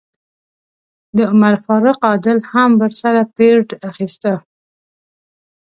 د عمر فاروق عادل هم ورسره پیرډ اخیسته.